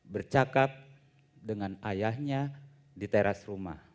bercakap dengan ayahnya di teras rumah